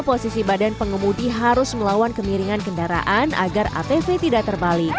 posisi badan pengemudi harus melawan kemiringan kendaraan agar atv tidak terbalik